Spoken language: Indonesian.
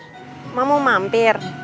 emak mau mampir